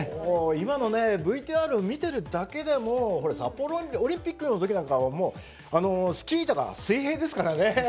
もう今のねＶＴＲを見てるだけでも札幌オリンピックの時なんかはもうあのスキー板が水平ですからね。